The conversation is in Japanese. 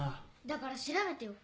だから調べてよ。